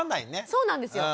そうなんですよ。